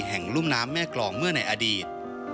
รุ่มน้ำแม่กรองเมื่อในอดีต